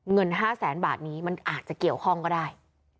เงิน๕แสนบาทนี้มันอาจจะเกี่ยวข้องก็ได้